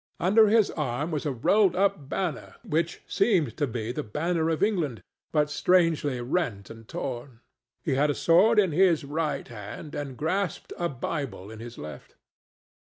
Under his arm was a rolled up banner which seemed to be the banner of England, but strangely rent and torn; he had a sword in his right hand and grasped a Bible in his left.